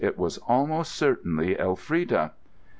It was almost certainly Elfrida.